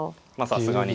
さすがに。